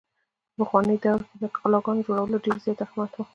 په پخواني دور کښې د قلاګانو جوړولو ډېر زيات اهميت وو۔